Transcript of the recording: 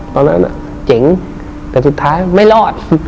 ตอนนั้นเจ๋งแต่สุดท้ายไม่รอด